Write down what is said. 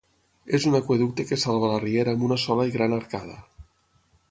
És un aqüeducte que salva la Riera amb una sola i gran arcada.